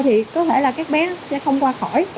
thì có thể là các bé sẽ không được cứu